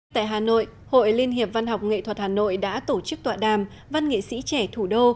tại hà nội hội liên hiệp văn học nghệ thuật hà nội đã tổ chức tọa đàm văn nghệ sĩ trẻ thủ đô